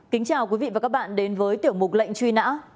kính chào quý vị và các bạn đến với tiểu mục lệnh truy nã